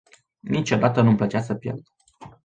Niciodată nu-mi plăcea să pierd.